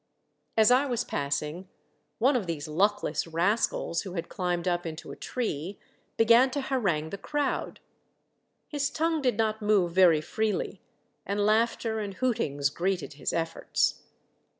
As I was passing, one of these luckless rascals, who had climbed up into a tree, began to harangue the crowd. His tongue did not move very freely, and laughter and hoot ings greeted his efforts.